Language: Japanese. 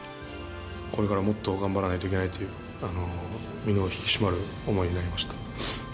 これからもっと頑張らないといけないという、身の引き締まる思いになりました。